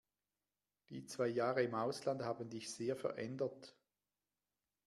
Die zwei Jahre im Ausland haben dich sehr verändert.